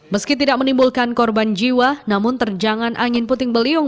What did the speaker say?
meski tidak menimbulkan korban jiwa namun terjangan angin puting beliung